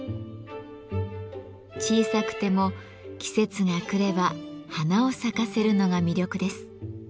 小さくても季節が来れば花を咲かせるのが魅力です。